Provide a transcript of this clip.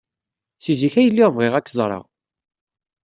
Seg zik ay lliɣ bɣiɣ ad k-ẓreɣ.